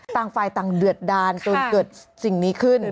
ต่างฝ่ายต่างเดือดดานจนเกิดสิ่งนี้ขึ้น